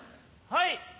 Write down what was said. はい。